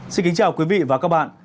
xin kính chào quý vị và các bạn